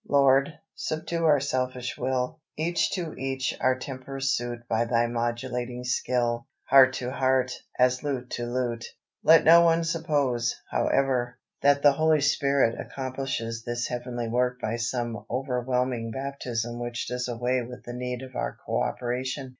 "Lord! subdue our selfish will; Each to each our tempers suit By Thy modulating skill, Heart to heart, as lute to lute." Let no one suppose, however, that the Holy Spirit accomplishes this heavenly work by some overwhelming baptism which does away with the need of our co operation.